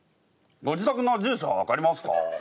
ごじたくの住所は分かりますか？